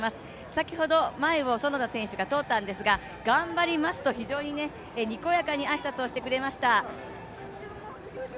先ほど前を園田選手が通ったんですが頑張りますと非常ににこやかに挨拶をしてくれました。